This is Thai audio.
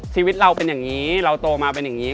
ชีวิตเราเป็นอย่างนี้เราโตมาเป็นอย่างนี้